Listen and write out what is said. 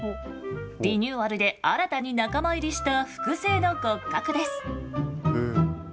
リニューアルで新たに仲間入りした複製の骨格です。